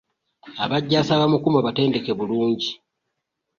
Abajaasi abamukuuma batendeke bulungi.